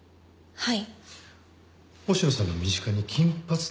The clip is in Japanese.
はい。